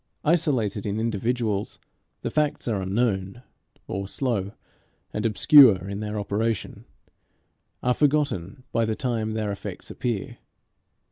Isolated in individuals, the facts are unknown; or, slow and obscure in their operation, are forgotten by the time their effects appear.